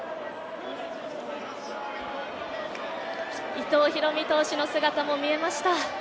伊藤大海投手の姿も見えました。